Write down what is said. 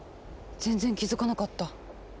全然気付かなかった。